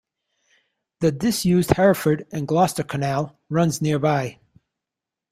The disused Hereford and Gloucester Canal runs nearby.